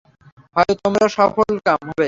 হয়ত তোমরা সফলকাম হবে।